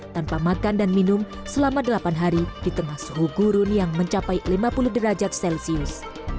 tanpa makan dan minum selama delapan hari di tengah suhu gurun yang mencapai lima puluh derajat celcius